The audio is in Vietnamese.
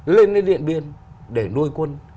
lên điện biên để nuôi quân